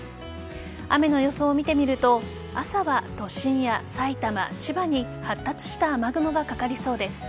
雨の予想を見てみると朝は都心やさいたま、千葉に発達した雨雲がかかりそうです。